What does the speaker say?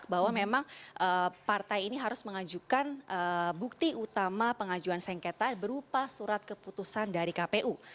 bahwa memang partai ini harus mengajukan bukti utama pengajuan sengketa berupa surat keputusan dari kpu